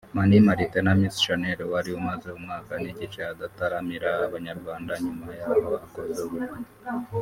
Mani Martin na Miss Shanel wari umaze umwaka n’igice adataramira abanyarwanda nyuma y’aho akoze ubukwe